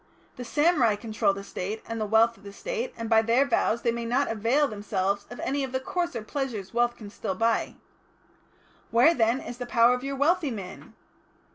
The samurai control the State and the wealth of the State, and by their vows they may not avail themselves of any of the coarser pleasures wealth can still buy. Where, then, is the power of your wealthy man?"